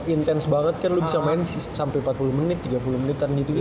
intens banget kan lu bisa main sampai empat puluh menit tiga puluh menitan gitu gitu